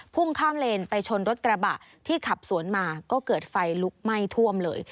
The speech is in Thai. พุ่งข้ามเลนไปชนรถกระบะที่ขับสวนมาก็เกิดไฟลุกไหม้ท่วมเลย